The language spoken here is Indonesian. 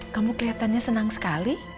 kamu kelihatannya senang sekali